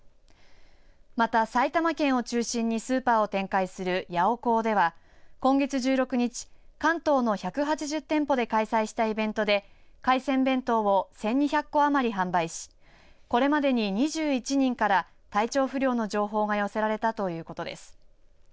また、埼玉県を中心にスーパーを展開するヤオコーでは今月１６日、関東の１８０店舗で開催したイベントで海鮮弁当を１２００個余り販売しこれまでに２１人から体調不良の情報が寄せられたということです。